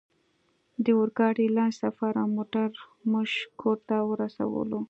د اورګاډي لنډ سفر او موټر موږ کور ته ورسولو